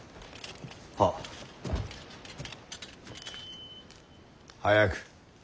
はっ。早く。